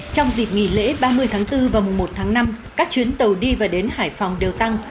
trong dịp nghỉ lễ ba mươi tháng bốn và mùng một tháng năm các chuyến tàu đi và đến hải phòng đều tăng